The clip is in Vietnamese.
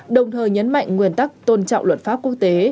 đồng thời nhấn mạnh nguyên tắc tôn trọng luật pháp quốc tế